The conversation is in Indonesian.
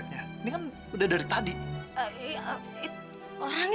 kini mendingan pergi aja dari sini tante